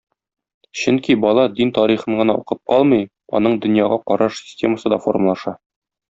Чөнки бала дин тарихын гына укып калмый, аның дөньяга караш системасы да формалаша.